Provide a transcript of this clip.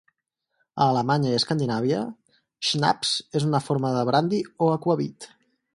A Alemanya i Escandinàvia, "schnapps" és una forma de brandi o aquavit.